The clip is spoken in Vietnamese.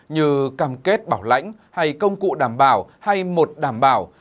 như cam kết bảo lãnh hay công cụ đảm bảo hay một đảm bảo